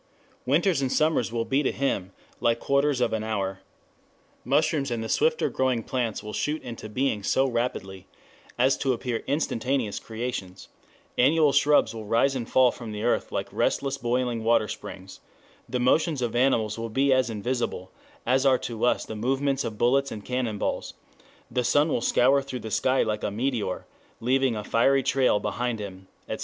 Winters and summers will be to him like quarters of an hour. Mushrooms and the swifter growing plants will shoot into being so rapidly as to appear instantaneous creations; annual shrubs will rise and fall from the earth like restless boiling water springs; the motions of animals will be as invisible as are to us the movements of bullets and cannon balls; the sun will scour through the sky like a meteor, leaving a fiery trail behind him, etc."